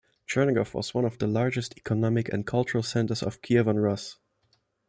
Chernigov was one of the largest economic and cultural centers of Kievan Rus'.